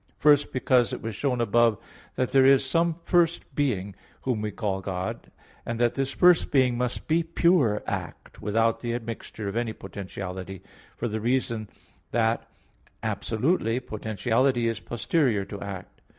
First, because it was shown above that there is some first being, whom we call God; and that this first being must be pure act, without the admixture of any potentiality, for the reason that, absolutely, potentiality is posterior to act.